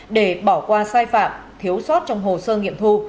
để bỏ qua sai phạm thiếu sót trong hồ sơ nghiệm thu